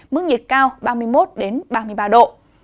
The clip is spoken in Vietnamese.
mức nhiệt cao ba mươi một ba mươi ba độ